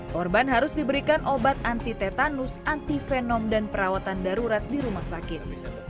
korban harus diberikan obat anti tetanus anti venom dan perawatan darurat di rumah sakit